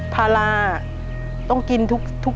ภาระต้องกินทุกอย่าง